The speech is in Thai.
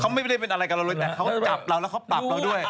เขาไม่ได้เป็นอะไรกับเราเลยแต่เขาจับเราแล้วเขาปรับเราด้วย